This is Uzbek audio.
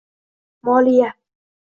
moliya;